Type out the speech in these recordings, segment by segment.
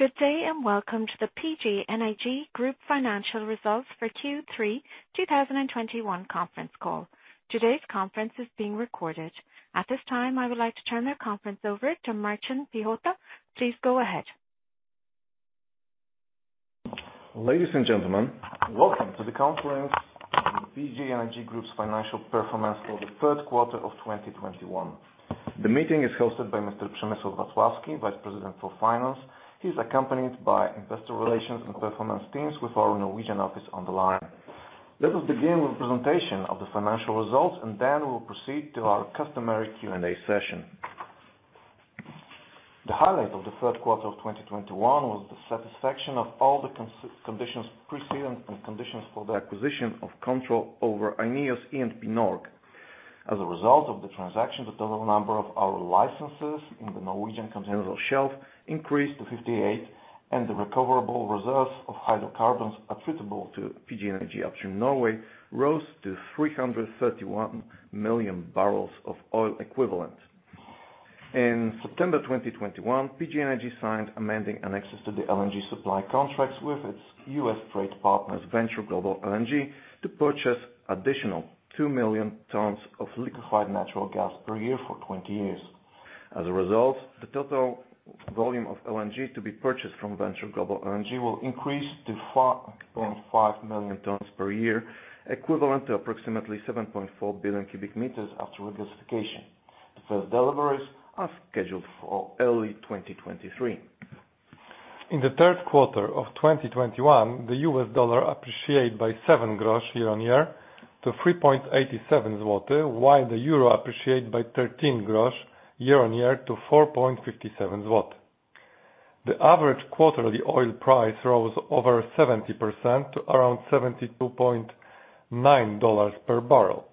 Good day and welcome to the PGNiG Group Financial Results for Q3 2021 conference call. Today's conference is being recorded. At this time, I would like to turn the conference over to Marcin Piechota. Please go ahead. Ladies and gentlemen, welcome to the conference of the PGNiG Group's financial performance for the third quarter of 2021. The meeting is hosted by Mr. Przemysław Wacławski, Vice President for Finance. He is accompanied by Investor Relations and Performance teams with our Norwegian office on the line. Let us begin with presentation of the financial results, and then we'll proceed to our customary Q&A session. The highlight of the third quarter of 2021 was the satisfaction of all the conditions precedent and conditions for the acquisition of control over INEOS E&P Norge AS. As a result of the transaction, the total number of our licenses in the Norwegian Continental Shelf increased to 58, and the recoverable reserves of hydrocarbons attributable to PGNiG Upstream Norway rose to 331 million barrels of oil equivalent. In September 2021, PGNiG signed amending annexes to the LNG supply contracts with its U.S. trade partner, Venture Global LNG, to purchase additional 2 million tons of liquefied natural gas per year for 20 years. As a result, the total volume of LNG to be purchased from Venture Global LNG will increase to 5.5 million tons per year, equivalent to approximately 7.4 billion cubic meters after regasification. The first deliveries are scheduled for early 2023. In the third quarter of 2021, the US dollar appreciate by 7 grosz year-on-year to 3.87 zloty, while the euro appreciate by 13 grosz year-on-year to 4.57 zloty. The average quarterly oil price rose over 70% to around $72.9 per barrel.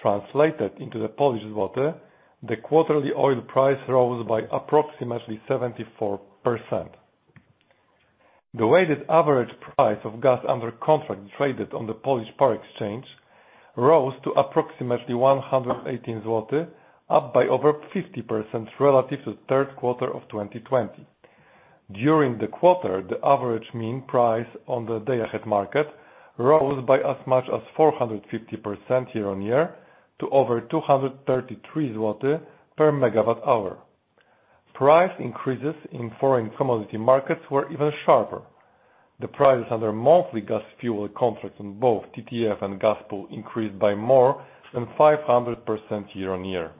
Translated into the Polish złoty, the quarterly oil price rose by approximately 74%. The weighted average price of gas under contract traded on the Polish Power Exchange rose to approximately 118 zloty, up by over 50% relative to the third quarter of 2020. During the quarter, the average mean price on the day-ahead market rose by as much as 450% year-on-year to over PLN 233 per MWh. Price increases in foreign commodity markets were even sharper. The prices under monthly gas futures contracts on both TTF and Gaspool increased by more than 500% year-on-year.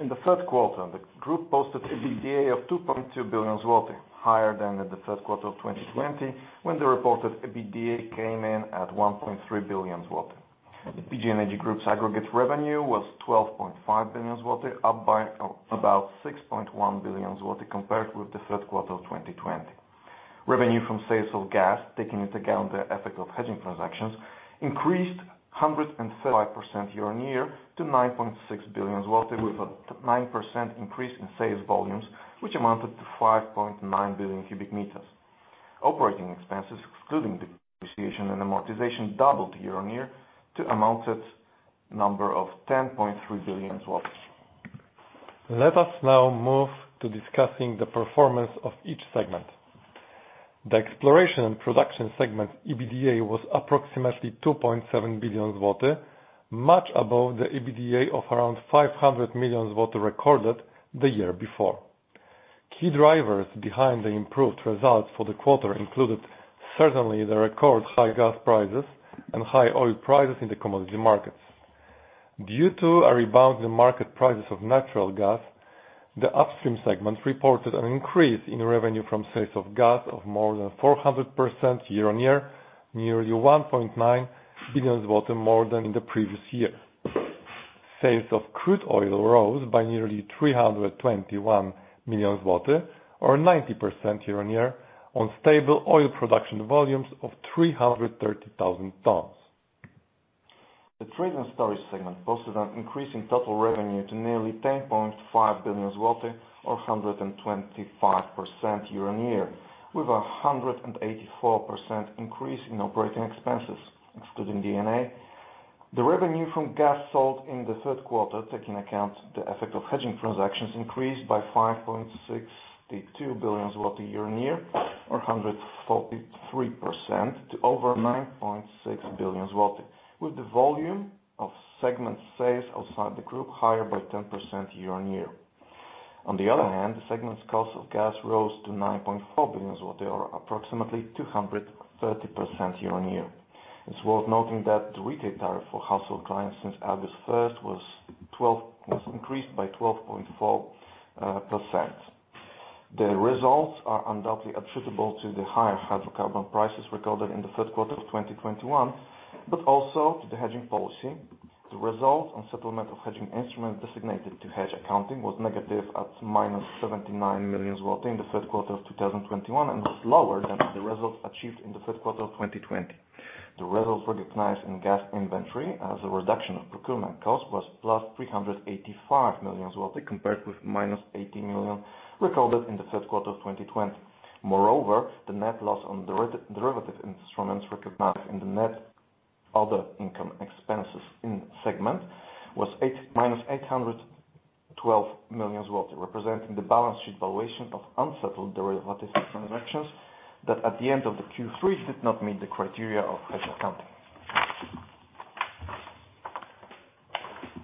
In the third quarter, the group posted EBITDA of 2.2 billion zloty, higher than in the third quarter of 2020 when the reported EBITDA came in at 1.3 billion zloty. The PGNiG Group's aggregate revenue was 12.5 billion zloty, up by about 6.1 billion zloty compared with the third quarter of 2020. Revenue from sales of gas, taking into account the effect of hedging transactions, increased 175% year-on-year to 9.6 billion zloty, with a 9% increase in sales volumes, which amounted to 5.9 billion cubic meters. Operating expenses, excluding depreciation and amortization, doubled year-on-year to an amount of 10.3 billion. Let us now move to discussing the performance of each segment. The exploration and production segment EBITDA was approximately 2.7 billion zloty, much above the EBITDA of around 500 million zloty recorded the year before. Key drivers behind the improved results for the quarter included certainly the record high gas prices and high oil prices in the commodity markets. Due to a rebound in market prices of natural gas, the upstream segment reported an increase in revenue from sales of gas of more than 400% year-on-year, nearly 1.9 billion zloty more than in the previous year. Sales of crude oil rose by nearly 321 million zloty or 90% year-on-year on stable oil production volumes of 330,000 tons. The trade and storage segment posted an increase in total revenue to nearly 10.5 billion zloty or 125% year-on-year, with a 184% increase in operating expenses, excluding D&A. The revenue from gas sold in the third quarter, taking account the effect of hedging transactions, increased by 5.62 billion zloty year-on-year or 143% to over 9.6 billion zloty, with the volume of segment sales outside the group higher by 10% year-on-year. On the other hand, the segment's cost of gas rose to 9.4 billion zloty or approximately 230% year-on-year. It's worth noting that the retail tariff for household clients since August first was increased by 12.4%. The results are undoubtedly attributable to the higher hydrocarbon prices recorded in the third quarter of 2021, but also to the hedging policy. The result on settlement of hedging instruments designated to hedge accounting was negative at -79 million zlotys in the third quarter of 2021 and was lower than the results achieved in the third quarter of 2020. The results recognized in gas inventory as a reduction of procurement costs was +385 million zloty compared with -80 million recorded in the third quarter of 2020. Moreover, the net loss on derivative instruments recognized in the net- Other income expenses in segment was -812 million zloty, representing the balance sheet valuation of unsettled derivative transactions that at the end of the Q3 did not meet the criteria of hedge accounting.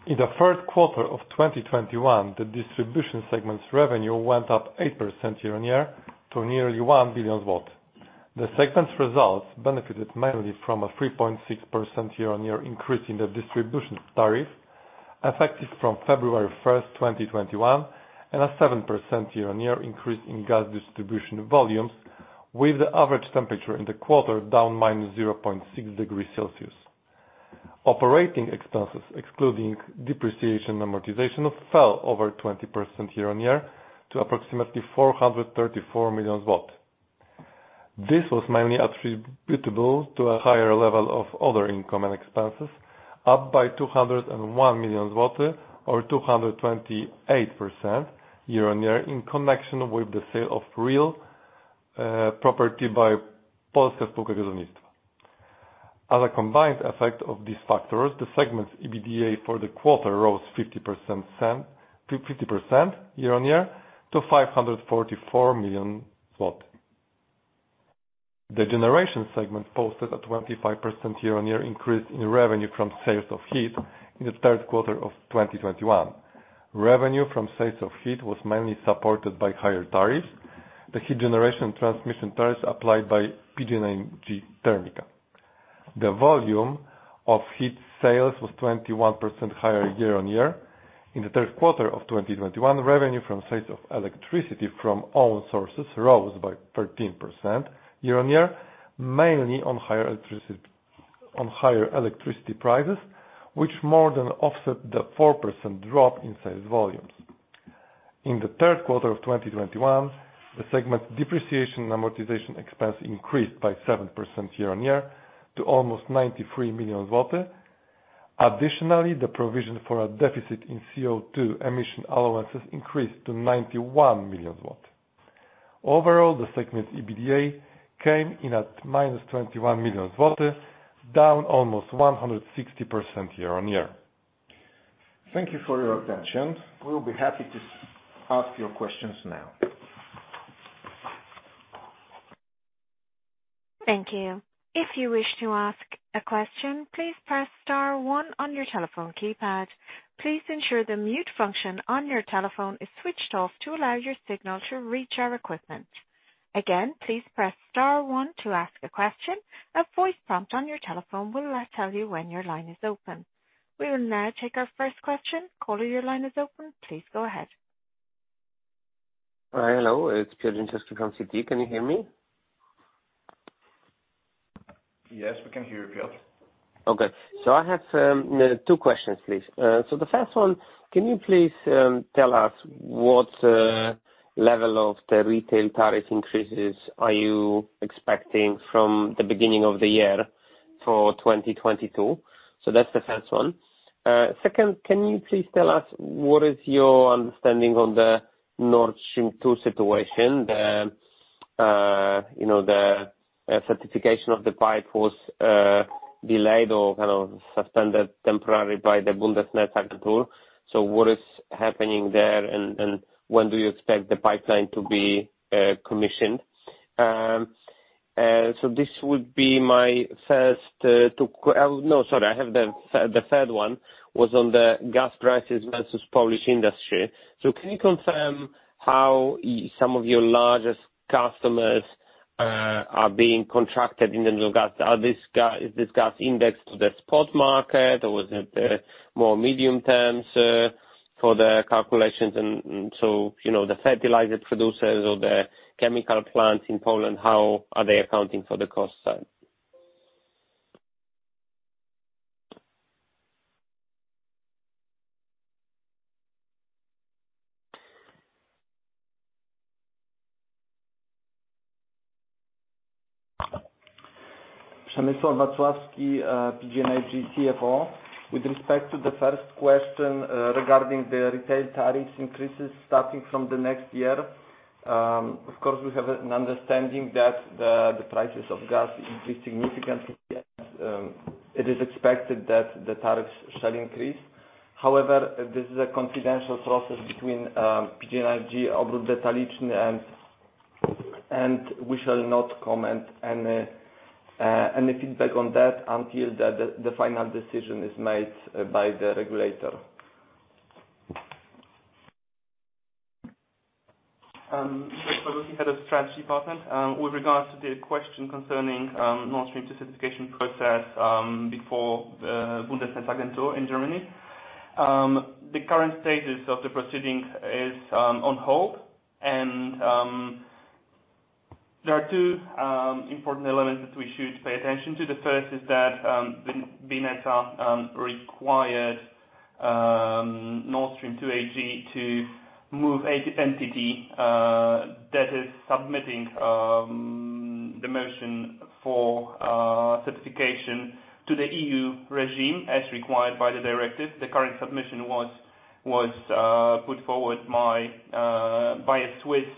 In the third quarter of 2021, the distribution segment's revenue went up 8% year-on-year to nearly 1 billion. The segment's results benefited mainly from a 3.6% year-on-year increase in the distribution tariff, effective from February 1, 2021, and a 7% year-on-year increase in gas distribution volumes, with the average temperature in the quarter down -0.6 degrees Celsius. Operating expenses, excluding depreciation and amortization, fell over 20% year-on-year to approximately 434 million. This was mainly attributable to a higher level of other income and expenses, up by 201 million zloty or 228% year-on-year in connection with the sale of real property by Polska Spółka Gazownictwa. As a combined effect of these factors, the segment's EBITDA for the quarter rose 50% year-on-year to 544 million. The generation segment posted a 25% year-on-year increase in revenue from sales of heat in the third quarter of 2021. Revenue from sales of heat was mainly supported by higher tariffs, the heat generation transmission tariffs applied by PGNiG Termika. The volume of heat sales was 21% higher year-on-year. In the third quarter of 2021, revenue from sales of electricity from all sources rose by 13% year-on-year, mainly on higher electricity prices, which more than offset the 4% drop in sales volumes. In the third quarter of 2021, the segment depreciation and amortization expense increased by 7% year-on-year to almost 93 million zloty. Additionally, the provision for a deficit in CO2 emission allowances increased to 91 million. Overall, the segment EBITDA came in at -21 million, down almost 160% year-on-year. Thank you for your attention. We'll be happy to ask your questions now. Thank you. If you wish to ask a question, please press star one on your telephone keypad. Please ensure the mute function on your telephone is switched off to allow your signal to reach our equipment. Again, please press star one to ask a question. A voice prompt on your telephone will, uh, tell you when your line is open. We will now take our first question. Caller, your line is open, please go ahead. Hello. It's Piotr Dzięciołowski from Citi. Can you hear me? Yes, we can hear you, Piotr. Okay. I have two questions, please. The first one, can you please tell us what level of the retail tariff increases are you expecting from the beginning of the year for 2022? That's the first one. Second, can you please tell us what is your understanding on the Nord Stream 2 situation? The, you know, the, certification of the pipe was, delayed or kind of suspended temporarily by the Bundesnetzagentur. What is happening there and when do you expect the pipeline to be, commissioned? This would be my first two questions. No, sorry. I have the third one, was on the gas prices versus Polish industry. Can you confirm how some of your largest customers are being contracted in the new gas? Is this gas indexed to the spot market or is it more medium-term for the calculations, and so, you know, the fertilizer producers or the chemical plants in Poland, how are they accounting for the cost side? Przemysław Wacławski, PGNiG CFO. With respect to the first question, regarding the retail tariffs increases starting from the next year, of course, we have an understanding that the prices of gas increased significantly. It is expected that the tariffs shall increase. However, this is a confidential process between PGNiG, and we shall not comment any feedback on that until the final decision is made by the regulator. Grzegorz Kołuś, Head of Strategy Department. With regards to the question concerning Nord Stream certification process before Bundesnetzagentur in Germany, the current status of the proceeding is on hold. There are two important elements that we should pay attention to. The first is that the BNetzA required Nord Stream 2 AG to move an entity that is submitting the motion for certification to the EU regime as required by the directive. The current submission was put forward by a Swiss company,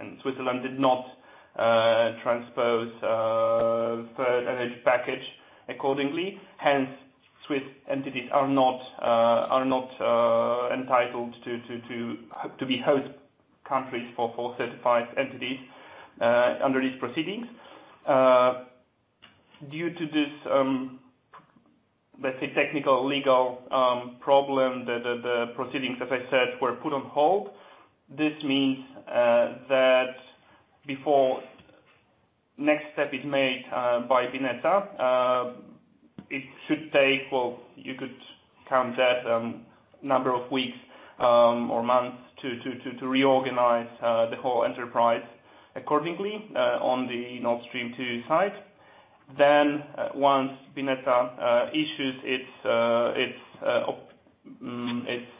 and Switzerland did not transpose Third Energy Package accordingly. Hence, Swiss entities are not entitled to be host countries for certified entities under these proceedings. Due to this, let's say technical legal problem, the proceedings, as I said, were put on hold. This means that before next step is made by Bundesnetzagentur, it should take. Well, you could count that number of weeks or months to reorganize the whole enterprise accordingly on the Nord Stream 2 site. Then once Bundesnetzagentur issues its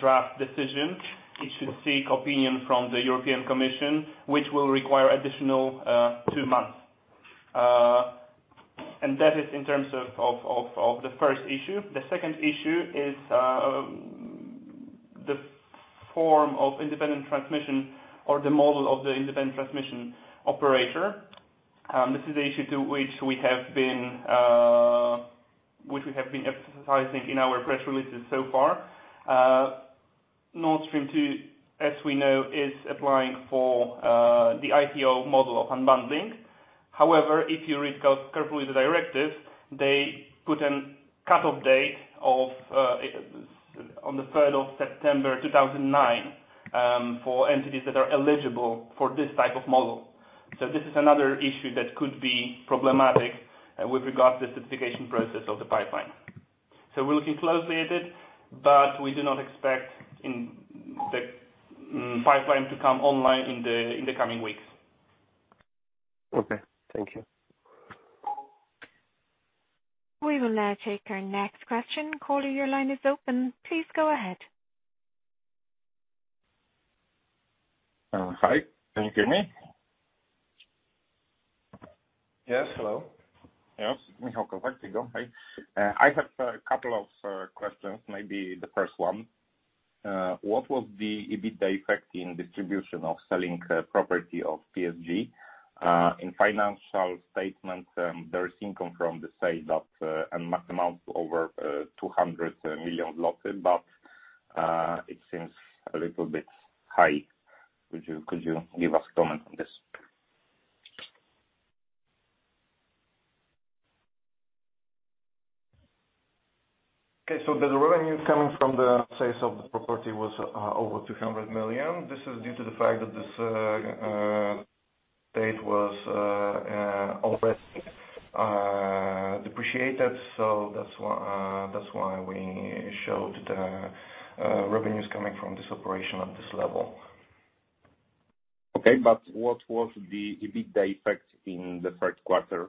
draft decision, it should seek opinion from the European Commission, which will require additional 2 months. That is in terms of the first issue. The second issue is the form of independent transmission or the model of the Independent Transmission Operator. This is the issue to which we have been emphasizing in our press releases so far. Nord Stream 2, as we know, is applying for the ITO model of unbundling. However, if you read carefully the directive, they put a cut-off date on September 3, 2009, for entities that are eligible for this type of model. This is another issue that could be problematic with regard to the certification process of the pipeline. We're looking closely at it, but we do not expect the pipeline to come online in the coming weeks. Okay. Thank you. We will now take our next question. Caller, your line is open. Please go ahead. Hi. Can you hear me? Yes. Hello. Yes. Michał Kowalczyk. Hi. I have a couple of questions, maybe the first one. What was the EBITDA effect in distribution of selling property of PSG? In financial statements, there is income from the sale that amount to over 200 million but it seems a little bit high. Could you give us comment on this? The revenue coming from the sales of the property was over 200 million. This is due to the fact that this asset was already depreciated. That's why we showed the revenues coming from this operation at this level. Okay. What was the EBITDA effect in the third quarter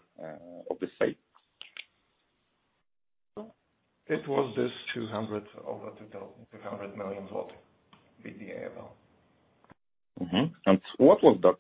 of the sale? It was this 200, over 2,200 million zloty EBITDA. Mm-hmm. What was that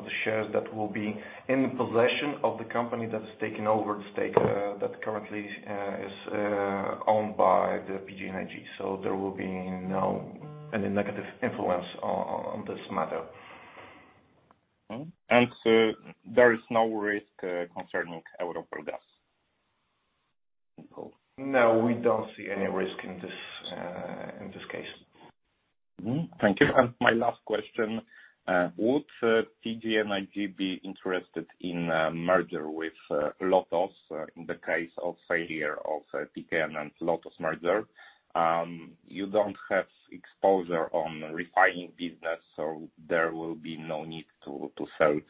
property? It was an office building located in Gdańsk region. Okay. Thank you. The second question, what would be the impact of the PKN transaction with PGNiG on 48% shares that you have in EuRoPol GAZ? Is there a risk that the share will be lower after transaction? Well, in terms of this transaction, there will be no any negative effect on the amount of the shares that will be in the possession of the company that is taking over the stake that currently is owned by the PGNiG. There will be no any negative influence on this matter. There is no risk concerning EuRoPol GAZ? No, we don't see any risk in this, in this case. Thank you. My last question, would PGNiG be interested in a merger with Lotos in the case of failure of PKN and Lotos merger? You don't have exposure to refining business, so there will be no need to sell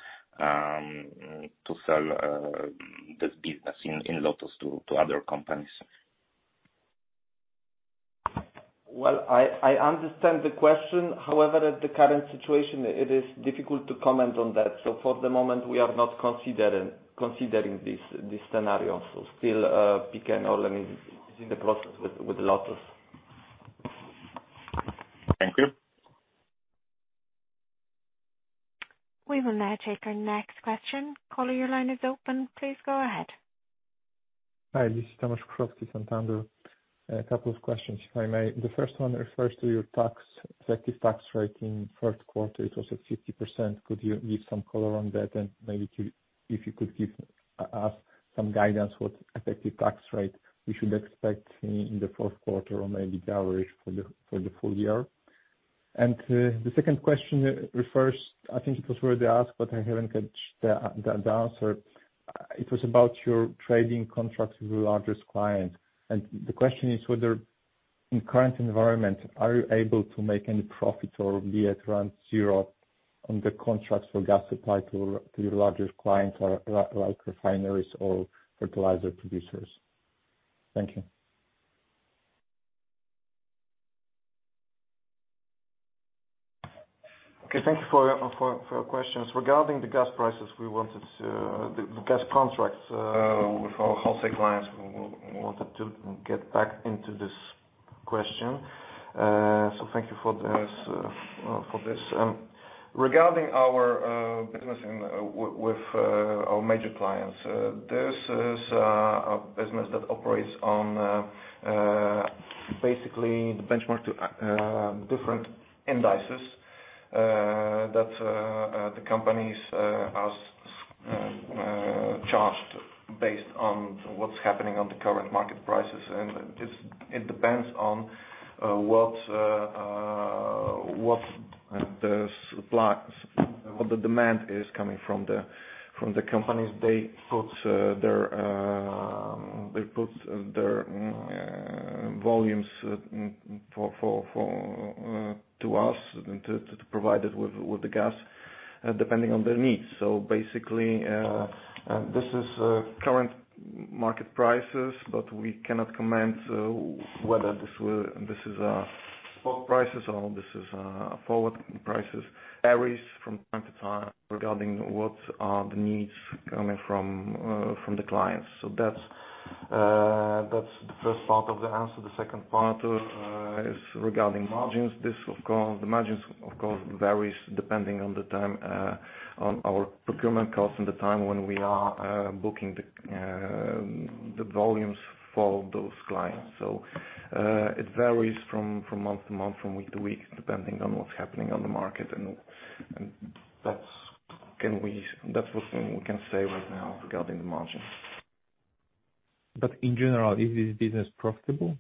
this business in Lotos to other companies. Well, I understand the question. However, at the current situation it is difficult to comment on that. For the moment, we are not considering this scenario. Still, PKN Orlen is in the process with Lotos. Thank you. We will now take our next question. Caller, your line is open. Please go ahead. Hi. This is Tomasz Grzechnik, Santander. A couple of questions, if I may. The first one refers to your tax, effective tax rate in first quarter, it was at 50%. Could you give some color on that? If you could give us some guidance what effective tax rate we should expect in the fourth quarter or maybe average for the full year? The second question refers, I think it was already asked, but I haven't caught the answer. It was about your trading contracts with your largest client. The question is whether in current environment, are you able to make any profit or be at around zero on the contracts for gas supply to your largest clients or like refineries or fertilizer producers? Thank you. Okay. Thank you for your questions. Regarding the gas prices, the gas contracts with our wholesale clients, we wanted to get back into this question. Thank you for this. Regarding our business with our major clients, this is a business that operates on basically benchmarked to different indices that the companies has charged based on what's happening on the current market prices. This depends on what the supply and demand is coming from the companies. They put their volumes for us to provide it with the gas depending on their needs. Basically this is current market prices but we cannot comment whether this is spot prices or this is forward prices. Varies from time to time regarding what are the needs coming from the clients. That's the first part of the answer. The second part is regarding margins. The margins of course varies depending on the time on our procurement costs and the time when we are booking the volumes for those clients. It varies from month to month from week to week depending on what's happening on the market. That's what we can say right now regarding the margins. In general, is this business profitable?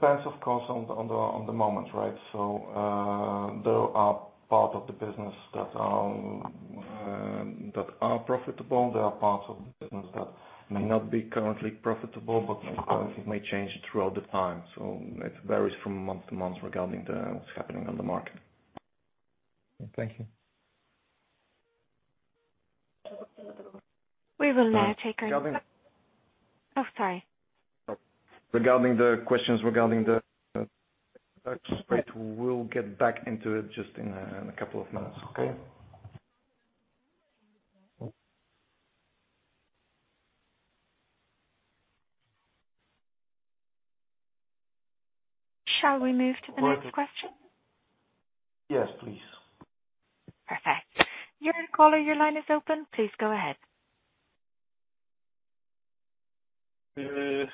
Oh, it depends, of course, on the moment, right? There are part of the business that are profitable. There are parts of the business that may not be currently profitable, but of course it may change throughout the time. It varies from month to month regarding what's happening on the market. Thank you. We will take a Regarding- Oh, sorry. Regarding the questions regarding the rate, we'll get back into it just in a couple of minutes. Okay? Shall we move to the next question? Yes, please. Perfect. Your caller, your line is open. Please go ahead.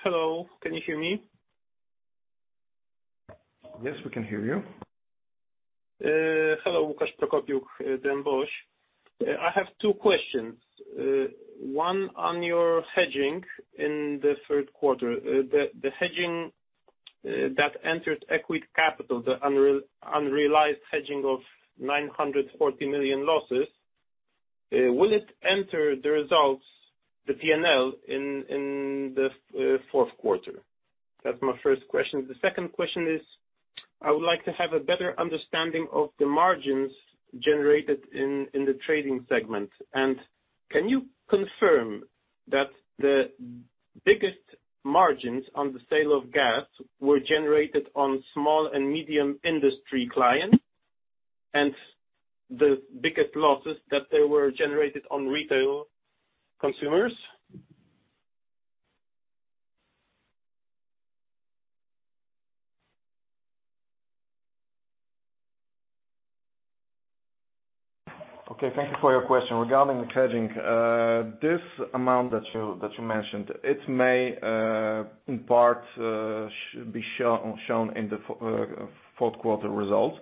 Hello. Can you hear me? Yes, we can hear you. Hello. Łukasz Prokopiuk, DM BOŚ. I have two questions. One on your hedging in the third quarter. The hedging that entered equity capital, the unrealized hedging of 940 million losses, will it enter the results, the PNL in the fourth quarter? That's my first question. The second question is, I would like to have a better understanding of the margins generated in the trading segment. Can you confirm that the biggest margins on the sale of gas were generated on small and medium industry clients, and the biggest losses, that they were generated on retail consumers? Okay, thank you for your question. Regarding the hedging, this amount that you mentioned, it may in part be shown in the fourth quarter results.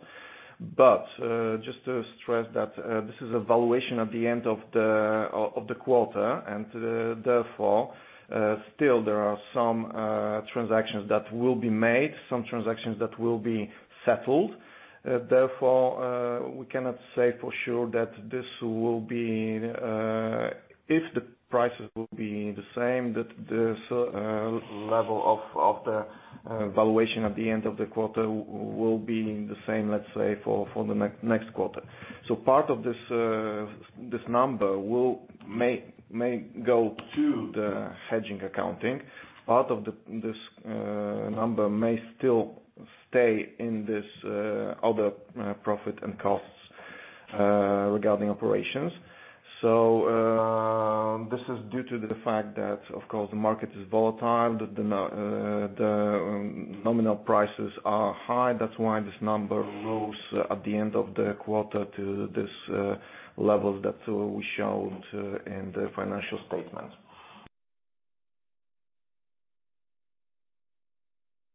Just to stress that this is a valuation at the end of the quarter, and therefore still there are some transactions that will be made, some transactions that will be settled. Therefore, we cannot say for sure that this will be if the prices will be the same, that the level of the valuation at the end of the quarter will be the same, let's say, for the next quarter. Part of this number may go to the hedge accounting. Part of this number may still stay in this other profit and costs regarding operations. This is due to the fact that, of course, the market is volatile. The nominal prices are high. That's why this number rose at the end of the quarter to this level that we showed in the financial statement.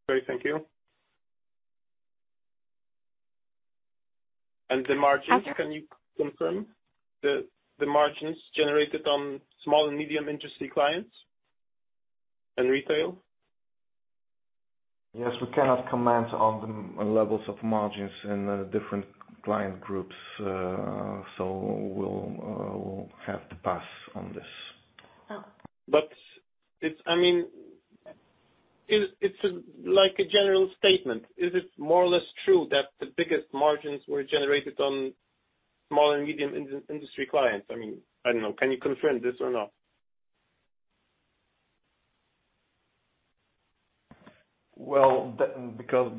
Great, thank you. The margins- Okay. Can you confirm the margins generated on small and medium industry clients and retail? Yes. We cannot comment on the levels of margins in different client groups. We'll have to pass on this. Oh. I mean, it's like a general statement. Is it more or less true that the biggest margins were generated on small and medium industry clients? I mean, I don't know. Can you confirm this or not? Well, because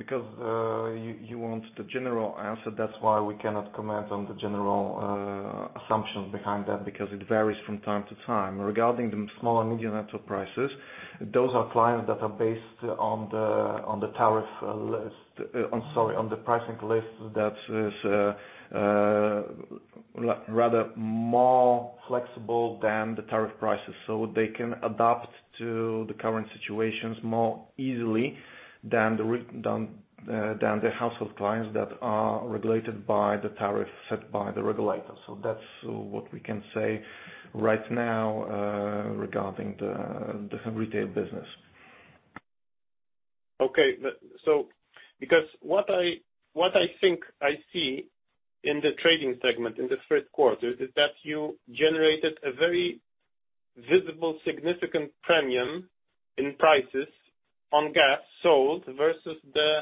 you want the general answer, that's why we cannot comment on the general assumptions behind that, because it varies from time to time. Regarding the small and medium enterprises, those are clients that are based on the tariff list. I'm sorry, on the pricing list that is rather more flexible than the tariff prices. They can adapt to the current situations more easily than the household clients that are regulated by the tariff set by the regulator. That's what we can say right now regarding the retail business. Because what I think I see in the trading segment in the third quarter is that you generated a very visible, significant premium in prices on gas sold versus the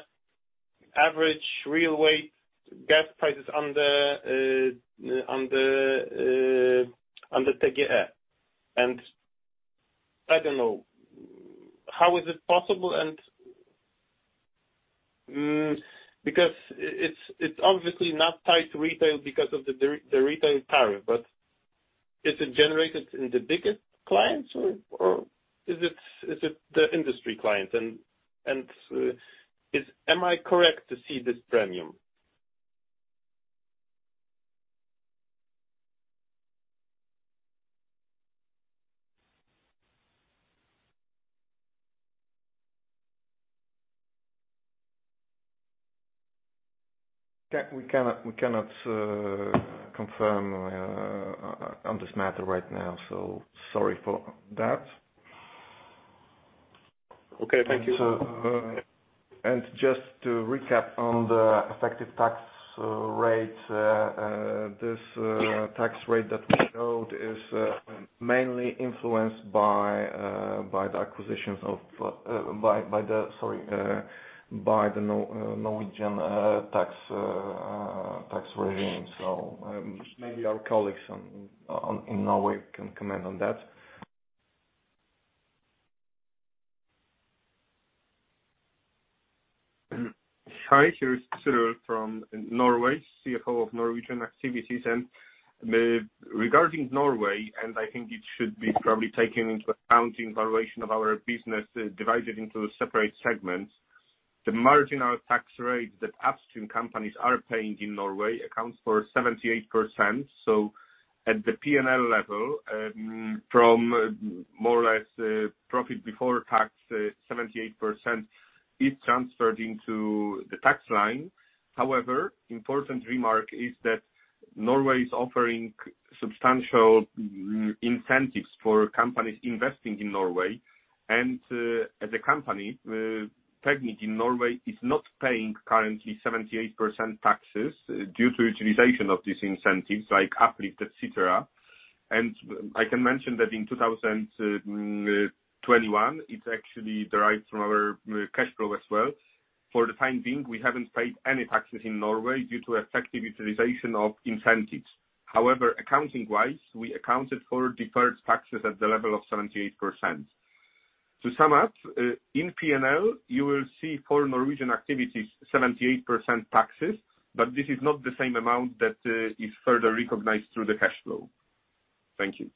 average real weight gas prices on the TGE. I don't know how it is possible because it's obviously not tied to retail because of the retail tariff. Is it generated in the biggest clients or is it the industry clients? Am I correct to see this premium? We cannot confirm on this matter right now, so sorry for that. Okay. Thank you. Just to recap on the effective tax rate, this tax rate that we showed is mainly influenced by the Norwegian tax regime. Maybe our colleagues in Norway can comment on that. Hi, here is Cyryl from Norway, CFO of Norwegian activities. Regarding Norway, I think it should be probably taken into account in valuation of our business, divided into separate segments. The marginal tax rate that upstream companies are paying in Norway accounts for 78%. At the P&L level, from more or less profit before tax, 78% is transferred into the tax line. However, important remark is that Norway is offering substantial incentives for companies investing in Norway. As a company, PGNiG in Norway is not paying currently 78% taxes due to utilization of these incentives like uplift, etc. I can mention that in 2021, it actually derived from our cash flow as well. For the time being, we haven't paid any taxes in Norway due to effective utilization of incentives. However, accounting-wise, we accounted for deferred taxes at the level of 78%. To sum up, in P&L, you will see for Norwegian activities 78% taxes, but this is not the same amount that is further recognized through the cash flow. Thank you.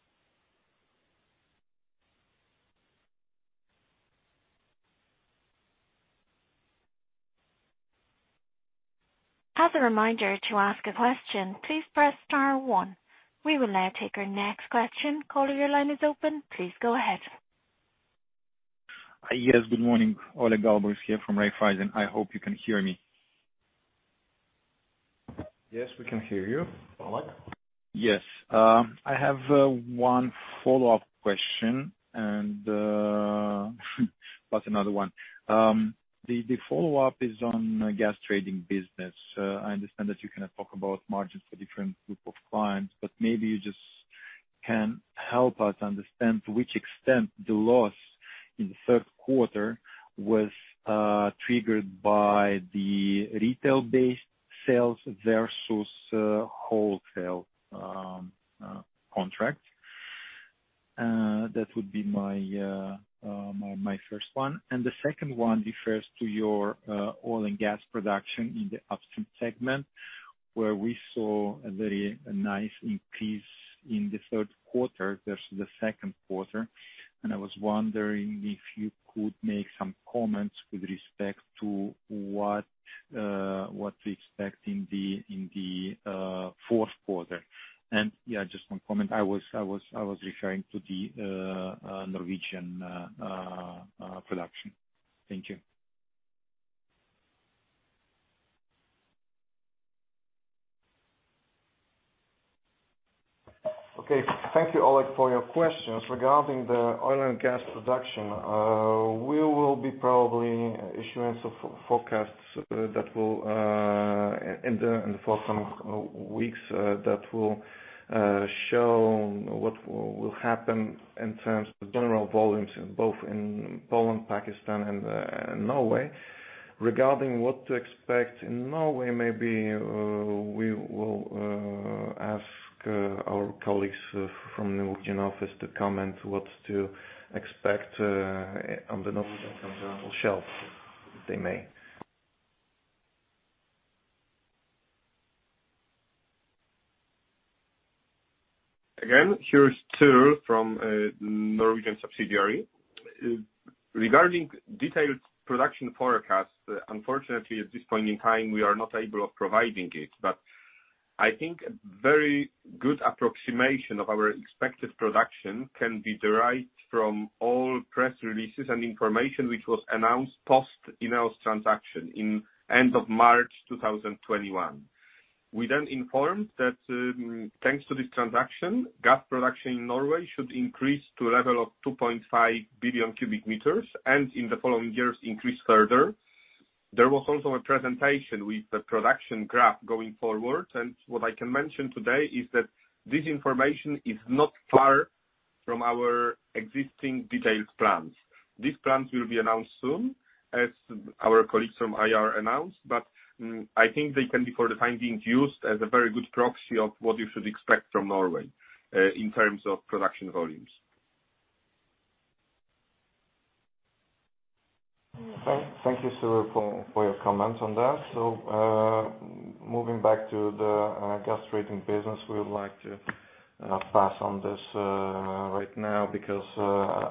As a reminder, to ask a question, please press star one. We will now take our next question. Caller, your line is open. Please go ahead. Yes, good morning. Oleg Klipin is here from Raiffeisen. I hope you can hear me. Yes, we can hear you, Oleg. Yes. I have one follow-up question and plus another one. The follow-up is on gas trading business. I understand that you cannot talk about margins for different group of clients, but maybe you just can help us understand to which extent the loss in the third quarter was triggered by the retail-based sales versus wholesale contract. That would be my first one. The second one refers to your oil and gas production in the upstream segment, where we saw a very nice increase in the third quarter versus the second quarter. I was wondering if you could make some comments with respect to what. What to expect in the fourth quarter? Yeah, just one comment. I was referring to the Norwegian production. Thank you. Okay. Thank you, Oleg, for your questions. Regarding the oil and gas production, we will be probably issuing some forecasts that will in the forthcoming weeks show what will happen in terms of general volumes both in Poland, Pakistan, and Norway. Regarding what to expect in Norway, maybe we will ask our colleagues from the Norwegian office to comment what to expect on the Norwegian shelf, if they may. Again, here is Cyryl from Norwegian subsidiary. Regarding detailed production forecast, unfortunately at this point in time, we are not able to provide it. I think a very good approximation of our expected production can be derived from all press releases and information which was announced post our transaction at the end of March 2021. We then informed that thanks to this transaction, gas production in Norway should increase to a level of 2.5 billion cubic meters, and in the following years increase further. There was also a presentation with the production graph going forward, and what I can mention today is that this information is not far from our existing detailed plans. These plans will be announced soon, as our colleagues from IR announced. I think they can be, for the time being, used as a very good proxy of what you should expect from Norway, in terms of production volumes. Thank you, Sir, for your comment on that. Moving back to the gas trading business, we would like to pass on this right now because,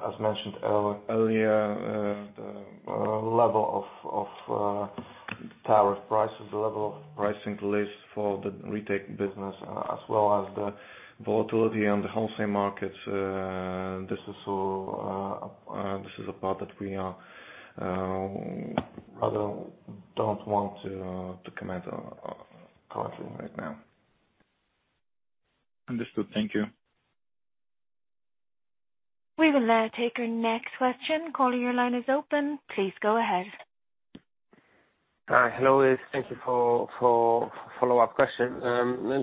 as mentioned earlier, the level of tariff prices, the level of pricing list for the retail business, as well as the volatility and the wholesale markets, this is a part that we rather don't want to comment currently right now. Understood. Thank you. We will now take our next question. Calling your line is open. Please go ahead. Hello. Thank you for follow-up question.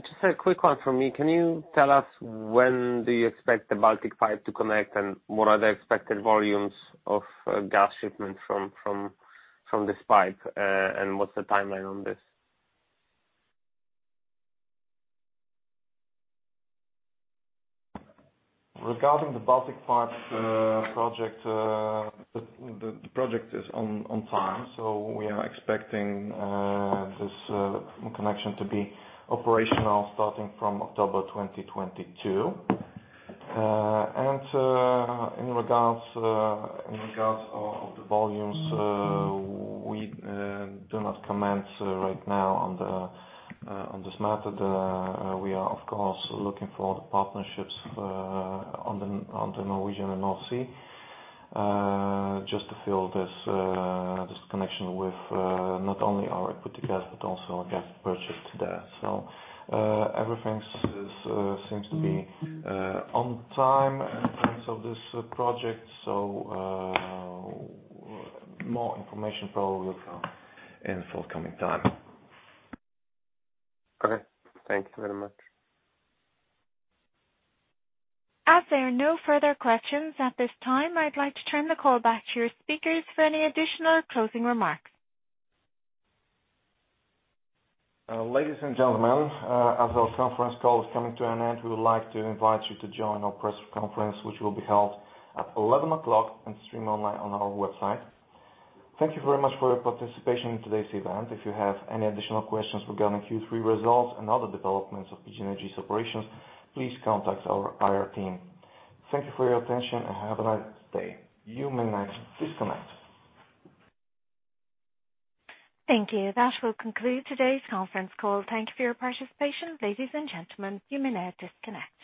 Just a quick one from me. Can you tell us when do you expect the Baltic Pipe to connect, and what are the expected volumes of gas shipments from this pipe? What's the timeline on this? Regarding the Baltic Pipe project, the project is on time, so we are expecting this connection to be operational starting from October 2022. In regards of the volumes, we do not comment right now on this matter. We are, of course, looking for partnerships on the Norwegian and North Sea just to fill this connection with not only our equity gas but also our gas purchase there. Everything seems to be on time in terms of this project. More information probably in forthcoming time. Okay. Thank you very much. As there are no further questions at this time, I'd like to turn the call back to your speakers for any additional closing remarks. Ladies and gentlemen, as our conference call is coming to an end, we would like to invite you to join our press conference, which will be held at 11:00 A.M. and streamed online on our website. Thank you very much for your participation in today's event. If you have any additional questions regarding Q3 results and other developments of PGNiG's operations, please contact our IR team. Thank you for your attention and have a nice day. You may now disconnect. Thank you. That will conclude today's conference call. Thank you for your participation. Ladies and gentlemen, you may now disconnect.